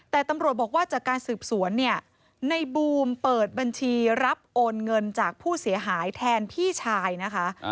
แต่ตำรวจบอกว่าจากการสืบสวนเนี่ยในบูมเปิดบัญชีรับโอนเงินจากผู้เสียหายแทนพี่ชายนะคะ